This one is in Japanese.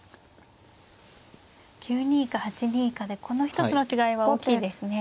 ９二か８二かでこの一つの違いは大きいですね。